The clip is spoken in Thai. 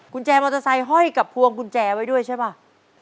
คุณแจมอเตอร์ไซค์ห้อยกับพวงกุญแจไว้ด้วยใช่ป่ะ